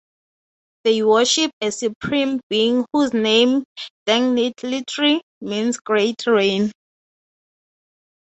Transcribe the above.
They worship a supreme being whose name, Dengdit, literally means Great Rain.